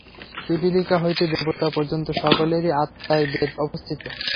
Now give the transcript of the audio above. পিপীলিকা হইতে দেবতা পর্যন্ত সকলেরই আত্মায় বেদ অবস্থিত।